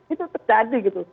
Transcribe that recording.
itu terjadi gitu